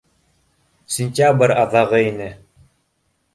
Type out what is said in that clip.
Сентябрь аҙағы ине.